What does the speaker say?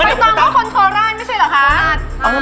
โอ้ว่าุนี่น่ากันมาแป๊บเลย